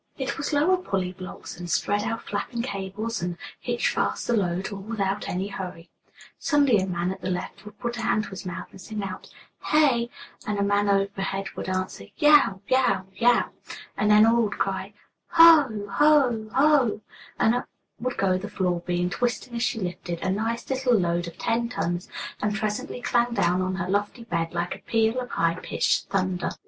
It was lower pulley blocks, and spread out flapping cables, and hitch fast the load, all without any hurry. Suddenly a man at the left would put a hand to his mouth and sing out: "Hey y y!" and a man overhead would answer: "Yeow yeow yeow!" and then they all would cry: "Ho hoo ho hoooo!" and up would go the floor beam, twisting as she lifted, a nice little load of ten tons, and presently clang down on her lofty bed like a peal of high pitched thunder.